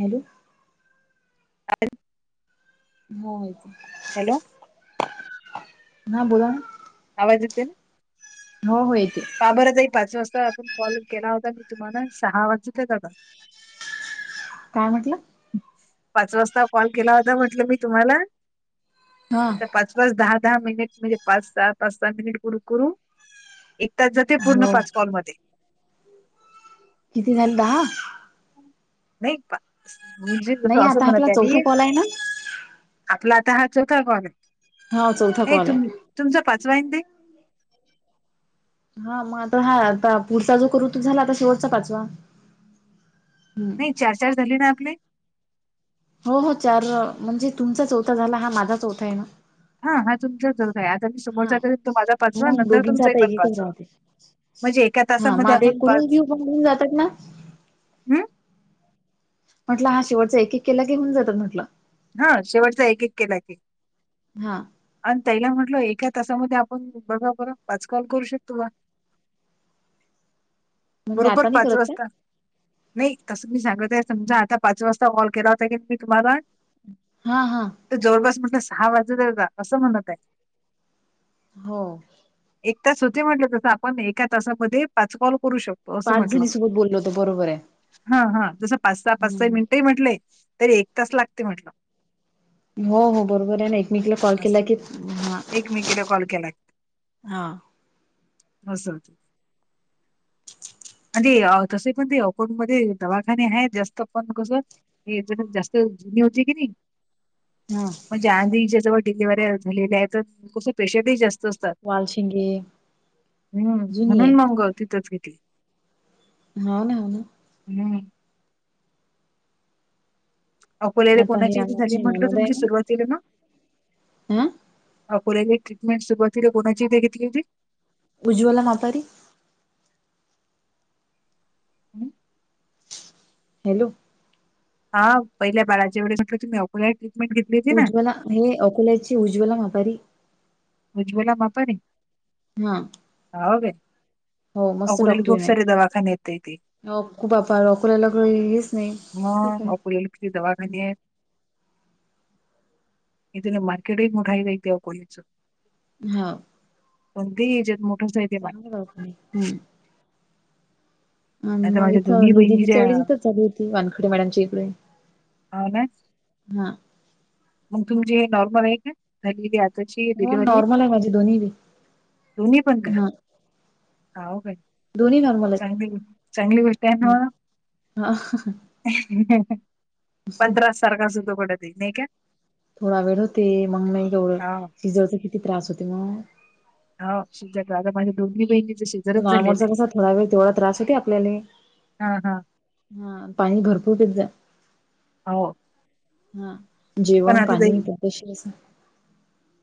Hello. [unintelligible] हो. Hello. हा बोला ना. आवाज येतोय. हो हो येते. बाबरचई पाच वाजता आपण कॉल केला होता मी तुम्हाला सहा वाजता तेदा काय म्हटला? पाच वाजता कॉल केला होता म्हंटलं मी तुम्हाला हा तर पाच दहा दहा मिनिट म्हणजे पाच सहा पाच सहा मिनिट कड करून. त्या जाते पूर्ण हो पाच कालमध्ये किती झाले दहा. [unintelligible] नाही आता आपला चौथा कॉल आहे ना आपला आता हा चौथा कॉल आहे हा चौथा नाही कॉल तुम आहे तुमचा पाचवा आहे दे. हा मग आता हा आता पुढचा जो कऋतू झाला आता शेवटचा पाचवा. हम नाही चार चार झाली ना आपले. हो हो चार म्हणजे तुमचा चौथा झाला हा माझा चौथा आहे ना. हा हा तुमच्या जर आहे आज मी हा समोरचा तरी तो माझा पाचवा मग नंतर दोघींचा तुमचाही आता एक पण एकच पाचवा. राहते म्हणजे एका हा मग तासामध्ये आता एक आपण करून पाच घेऊ पण होऊन जातात ना हम्. म्हटलं हा शेवटचा एक एक केला घेऊन जातात म्हटलं. हा शेवटचा एक एक केला की. हा. आणि तैला म्हटलं एका तासामध्ये आपण बघा बर पाच कॉल करू शकतो बा. म्हणजे आता बरोबर नाही पाच करत काय वाजता. नाही तसं मी सांगत आहे समजा आता पाच वाजता कॉल केला होता की मी तुम्हाला हा हा. तरं जवळपांस म्हटलं सहा वाजत आहे आता. असं म्हणतं आहे. हो. एक तास होते म्हंटल तसं. आपणं एका तासांमध्ये पांच कॉल करूं शकतो. असं पांच म्हटलं. जणीसोबत बोललो तर बरोबर आहे. हां. हां. जसं पांच सहा पांच सहाही हम्म मिनिटं म्हंटलंय, तरी एक तास लागते म्हंटलं. हो. हो. बरोबर आहे ना? एकमेकीला कॉल केलां असं की -हं. एकमेकीला हां. असंय ते. [unintelligible] आ ते कसंय पण ते तसे अकोंट मध्यें दवाखाने आहेंत जास्तं. पणं कसं? हे [unintelligible] जास्त जुने होते की नाही? हा म्हणजे आधीच्याजवळ डिलिवऱ्या झालेल्या आहे तर कसं पेशन्टही जास्त- असतात. वालशिंगे हम्मं. जुनी आहे म्हणून मंग तिथंच घेतली. हां नां. हो नां. हं. अकोल्याला आता हे कोणाच्या इथे झालीं? आमची म्हटलं तुमची सुरुवातीला मग? हम्मं? अकोल्याले ट्रिटमेंट सुरवातीले कोणाच्या इथं घेतली होती? उज्वला मातारी. हं? हॅलो. आं. पहिल्या बाळाच्या त्यावेळेस म्हटलं तुम्हीं अकोल्याले ट्रीटमेंट घेतली- होती ना? उज्वला हे, अकोल्याची उज्वला मातारी. उज्वला मापारी? हां. हाव काय? अकाेल्याले डॉक्टर खूंप आहे सारें दवाखाने आहेत ताई ते. हो. खूप बापारे अकोल्याले काही हेचं नाहीं. खूप मग आहे. अकोल्याला किती दवाखाने हं. आहेत. इथं तरं मार्केट [unintelligible] हो. पण ते [unintelligible] चांगल [unintelligible] हम्मं. आता मगं माझ्या इथं दोन्ही निधी बहिणी ज्या तिच्या वेळी इथंच झालीं होती. वानखेडे मॅडमच्या इकडे. हां ना? हां. मगं तुमचे हे नॉर्मल आहे कां? झालीं आताची हो डिलीवरी? नॉर्मल आहे माझे दोन्ही बी दोन्ही पणं कां? हा हा ओ बाई. दोन्ही नॉर्मल आहेत. चांगलीय चांगली गोष्ट आहे ना हम्म. हा म. पण त्रास सारखाच होतो कुठं बी. नाहीं का? थोडा वेळं होते. मगं नाहीं तेवढं. हाव सिझरचा किती त्रास होतो म? हाव. सिझर झालं म्हणे. हं. नॉर्मलचा कसां थोडा वेळं तेवढा त्रास होतं आपल्याले. हां, हां. हां. पाणी भरंपूर पेतं जां. हो. हां. पण जेवणं आता पाणी पद्धतशीर असं.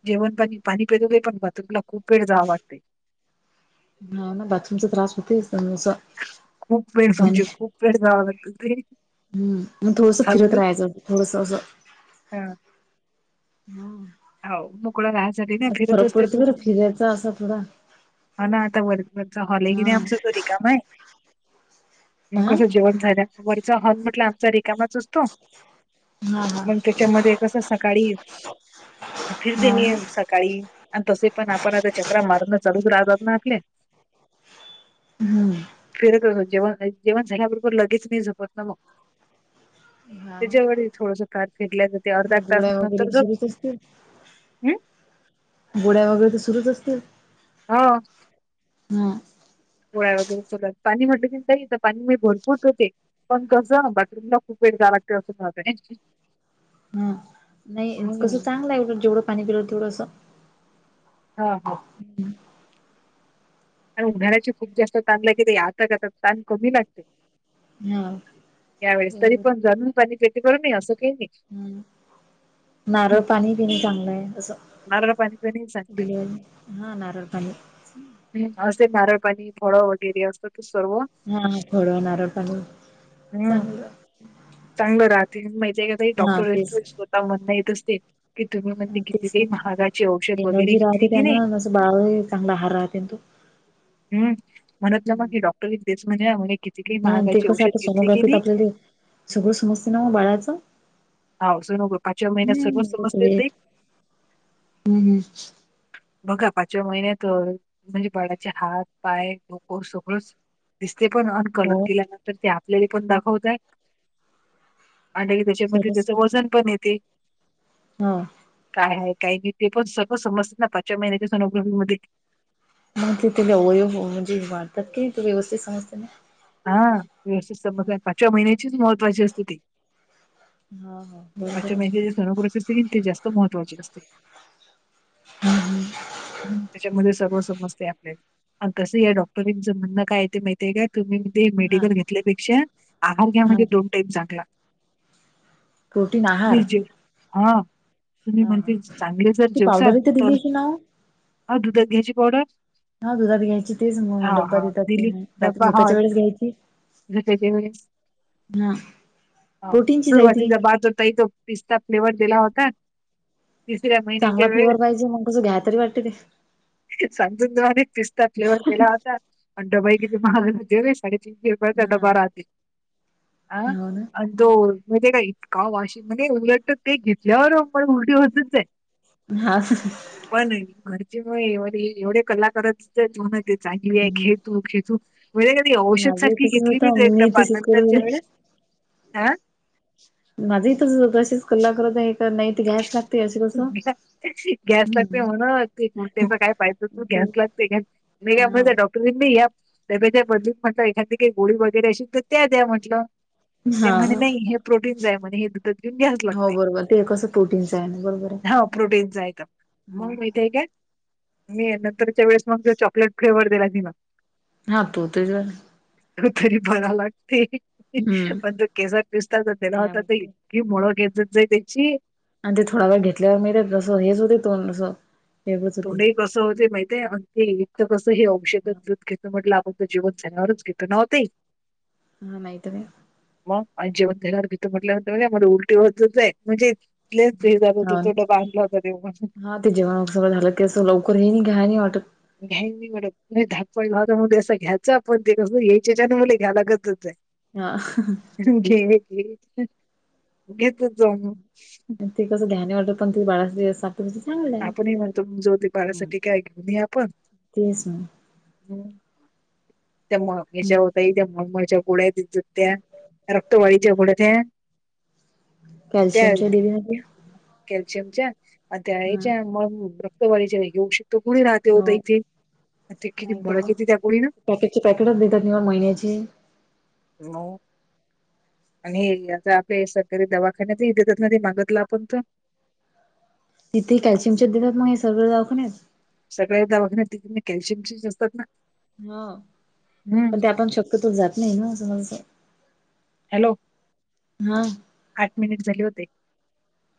जेवणं पाणी. पाणी पेल की बाथरूमला खूंप वेळं जावं वाटतय. हा ना. बाथरूमचा त्रास होतोय असा. पाणी- वत ते [unintelligible] हम्मं मगं थोडंसं फिरतं चालूच राहायचं. थोडंसं असं हां. हम्मं. हो मोकळ राहाय साठी नां फिरत असतें पडतो तो. बरं फिरायचा असा थोडा ह ना आता वर वरच हॉल आहे कि हा नाही आमचं तो रिकामाय. मग हा कसं जेवन झालं वरचा होल म्हटलं आमचा रिकामाच हा हा मग त्याच्यामध्ये कस सकाळी फिरते हा मी सकाळी. आणि तसे पण आपण आता चकरा मारण चालूच राहात ना आपले. हम्म. फिरत जेवण. जेवण झाल्याबरोबर लगेच नाही झोपत ना मग. हा त्याच्या व थोडस कारात फिरल्या जाते अर्धा तास गोळ्या नंतर वगैरे जो गोळ्या वगैरे तर सुरूच असतील. हा. हा. गोळ्या वगैरें घेतांना पाणी म्हटलं की नाहीं तरं पाणी मी भरंपूर पिते. पणं कसं नां बाथरूमला खूंप वेळं जावां लागते असं झालं तुझं. हां नाहीं कसं चांगलं एवढं जेवढं पाणी पिलं तेवढं असं हा. हम्म. आणि उन्हाळ्याची खूप जास्त तहान लागे आता आता तहान कमी लागते. हा यावेेळेस तरी बरोबर पण जाणून पाणी ते बरं मी. असं काही नाही. हम्म नारळ पाणी पिणी चांगलंय तसं. सांगते. हा नारळ पाणी. ह असे नारळ पाणी फळं वगैरे असं त सर्व हा फळ नारळ पाणी हम्म चांगलं. चांगलं राहते माहिती आहे का ताई हा डॉक्टर तेच स्वतः म्हण येतच ते. कि तुम्ही म्हणजे किती तेच काही ना महागाची औषध वगैरे घेतली की नाही. बारा चांगला हार राहते तो. हम्म म्हणतलं मग की डॉक्टर एक [unintelligible] नाही ते कसं आता सोनोग्राफीत आपल्याला सगळं समजते ना वो बाळाचं. हा सोनोग्राफी पाचव्या महिन्यात सगळं हम्म समजते ना ताई. वेट हम्म बघा पाचव्या महिन्या तर म्हणजे बाळाचे हात पाय डोक सगळंच. दिसते पण अन कलर हो केल्यानंतर ते आपल्याले पण दाखवतय आणि सरच त्याच वजन पण येते. हा. काय आहे काही नाही ते पण सगळं समजतात ना पाचव्या महिन्याच्या सोनोग्राफी मध्ये. मंथली तसला हो हो म्हजे वाढतात की नाही व्यवस्थित समजते ना. हा व्यवस्थित समज पाचव्या महिन्याचीच महत्त्वाची असते ती. हा हा बरोबर पाचव्या महिन्याची आहे जी सोनोग्राफी असते की ते जास्त महत्त्वाचे असते. हम् त्याच्यामध्ये सर्व समजते आपले. आणि तसंही या डॉक्टरांचं म्हणणं काय आहे ते माहितीय का तुम्ही ते हा मेडिकल घेतल्यापेक्षा आहार घ्या हा म्हणजे दोन टाइम चांगला. प्रोटीन आहार मीरची हा. तुम्ही हा हा म्हणते चांगले जर ती जेवसाल पावडर इथे तर दिली की ना अहो दुधात घ्यायची पावडर. हा दुधात घ्यायची तेच मग हा ड्बा हा देतात दिली ते रात्री डब्बा झोप हा कच्या वेळेस घ्यायची त्याच्या वेळेस हा प्रोटीनची च हाय ती बा होताई तो पिस्ता फ्लेवर्ह दिला होता तिसरा मई चांगला फ्लेवर पाहिजे मग कसं घ्याय तरी वाटते ते शांगु दवाने पिस्ता फ्लेवर दिला होता आणि त्या बाईने किती महागच साडे तीन हा गेऊ हो ना [unintelligible] दो म्हणजे का इतका वाशी म्हणे उलट ते घेतल्यावर म उलटी होतच आहे हाच पण घरचेमुळे व एवढे कलाकारच होण ते चांगली आहे घेतू, घेतू म्हणजे कधी औषध माझं सारखी तसच घेतली मी त होतं एकदा पा तसेच करून नंतरच्या वेळेस आ माझे इ तर तशीच कल्ला करत नाहीत गॅस ला- गॅस लागते म्हणा ते ते प काय पाहिजं तू गॅस लागतेय का मी का मझ डॉ तुम्ही मी याप बदल म्हटलं एखादी काही गोळी वगैरे असेल तर त्या द्या म्हटल ते हा म्हणे हा नाही हे प्रोटीन ज आहे म्हणे हे दुधात घेऊन घ्यास लागते तेव्हा ते कसं? प्रोटीनच आहे बरोबर आहे. हाव प्रोटीनच आहे तर मग हा तुम्हाला माहिती आहे काय मी नंतरच्या वेळेस मग ज चॉकलेट फ्लेवर्हर दिला तीन हा तू ते जर त तरी बरा लागते हम्म पण तू केसर पिस्ता त घ्या तेलावता ते वाटते. कि मुळं घेतत जाई त्याची आणि ते थोडा वेळ घेतल्यावर मिळतेत अससं हेच होते असं वेगळंच होते. तोंडही कसं होते माहितय अ ते एकं कसं हे औषध दूध घेत म्हटल आप फ जेवण झाल्यावरच घेत ना वाते हा नाहीत काय मग आणि जेवण र भितर म्हटल्यान म्हण या म उलटी होतच आहे म्हणजे इच हे जात हा हो डबा आणला हो तर देऊ म्हणून हा ते जेवणार झालं क असं लवकर हे नाही घ्याय नाही वाटत घ्याई नाही मडम धापपाळ भाता मु असं घ्यायचं आपण ते कस यायच्याच्या मु घ्यायला गतच आहे ह घे घेत जाऊ म ती कसं ध्याने वाटतात पण त बाळास असा तु चांगलय आपणही म्हणतो जाऊदे बाळासाठी काय घेऊन ये आपण तेच ना हम्म त्या हेज्या ओ ताई त्या मळमळीच्या गोळ्या देतात त्या रक्तवाडीच्या हम्म गोळ्या त्या त्या कॅल्शियमच्या देऊया आधी कॅल्शियमच्या अ त्या हा याच्या मग रक्तवाढच्या येेऊ शकतो गुणी राहते होत हो इथे आणि ते किती नाही तर मळ काय किती त्या गुळीन पॅकेटचे, पॅकेटच देतात निव्वळ महिन्याचे यू नो आणि आता आपल्या सरकारी दवाखान्यात इत मागतला आपण त तिथे कॅल्शियमच देतात मग हे सगळं दवाखान्यात सगळ्या दवाखान्यात त कॅल्शियम असतात ना हा हम्म पण ते आपण शक्यतोच जात नाही ना असं माला हॅलो हा. आठ मिनिट झाले होते.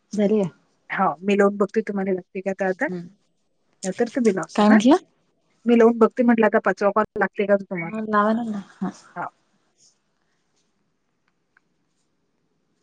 [unintelligible] हो मी लोन बघतोय तुम्हाला लागते का त हम्म न तर त मी लव काय ना म्हटलं? मी लावून बघती म्हटलं का पाचवा लागते का? तुम्हाला हा नावन [unintelligible] हा